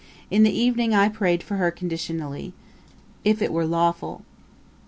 In the evening I prayed for her conditionally, if it were lawful.'